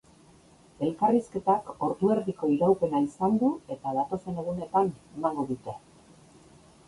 Elkarrizketak ordu erdiko iraupena izan du eta datozen egunetan emango dute.